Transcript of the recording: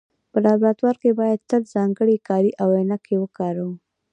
په لابراتوار کې باید تل ځانګړي کالي او عینکې وکاروو.